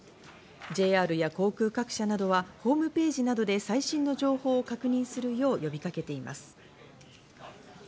ＪＲや航空各社などはホームページなどで最新の情報を確認するよう、呼びかけています。